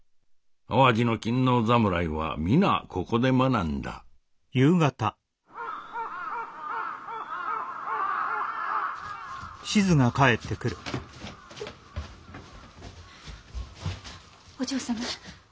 淡路の勤皇侍は皆ここで学んだお嬢様。